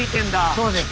そうです。